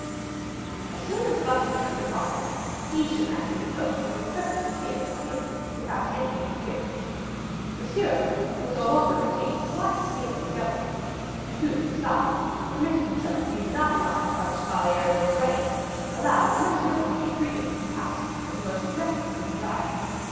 As soon as Buckingham departed, Guiche imagined the coast would be perfectly clear for him without any interference. Monsieur, who no longer retained the slightest feeling of jealousy, and who, besides, permitted himself to be monopolized by the Chevalier de Lorraine, allowed as much liberty and freedom in his house as the most exacting could desire.